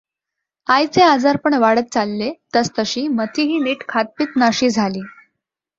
आईचे आजारपण वाढत चालले, तसतशी मथीही नीट खातपीतनाशी झाली.